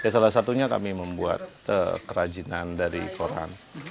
salah satunya kami membuat kerajinan dari koran